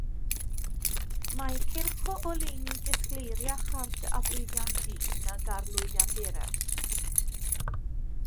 Mae cylch o oleuni disgleiriach ar dy aflwyddiant di nag ar lwyddiant eraill.